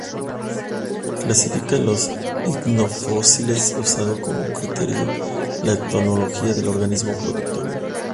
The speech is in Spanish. Clasifica los icnofósiles usando como criterio la etología del organismo productor.